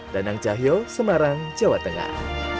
danang cahyo semarang jawa tengah